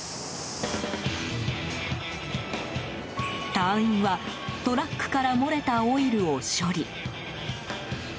隊員は、トラックから漏れたオイルを処理。